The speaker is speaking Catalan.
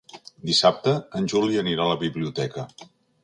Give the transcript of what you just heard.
Dissabte en Juli anirà a la biblioteca.